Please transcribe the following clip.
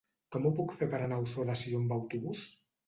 Com ho puc fer per anar a Ossó de Sió amb autobús?